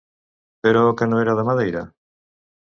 Però que no era de Madeira?